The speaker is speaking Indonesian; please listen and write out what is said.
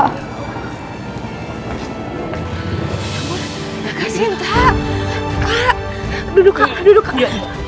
kak sinta kak duduk kak duduk kak